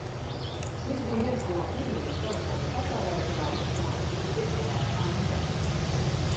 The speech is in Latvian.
Šis bija viens no pirmajiem telefoniem pasaulē, kurā iekšā bija iebūvēta antena.